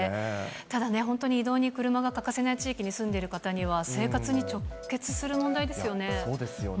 ただね、本当に移動に車が欠かせない地域に住んでいる方には、そうですよね。